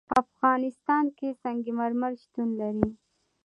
په افغانستان کې سنگ مرمر شتون لري.